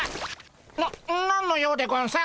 な何の用でゴンス？